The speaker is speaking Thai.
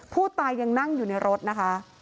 ผู้ตายยังนั่งอยู่ในรถนะคะ